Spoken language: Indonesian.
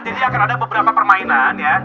jadi akan ada beberapa permainan ya